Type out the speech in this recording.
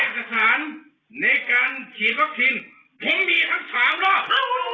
เอกสารในการฉีดวัคคินพรุ่งมีทั้ง๓รอบ